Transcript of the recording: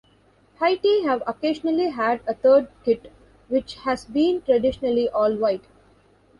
Haiti have occasionally had a third kit, which has been traditionally all-white.